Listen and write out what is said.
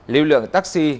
lưu lượng taxi